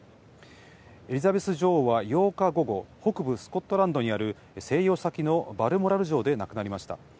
エリザベス女王は８日午後、北部スコットランドにある静養先のバルモラル城で亡くなりました。